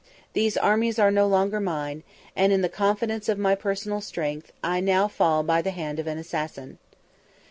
These armies are no longer mine; and, in the confidence of my personal strength, I now fall by the hand of an assassin."